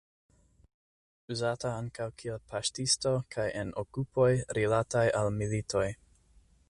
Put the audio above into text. Ĝi estis uzata ankaŭ kiel paŝtisto kaj en okupoj rilataj al militoj.